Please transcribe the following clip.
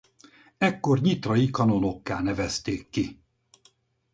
Ekkor nyitrai kanonokká nevezték ki.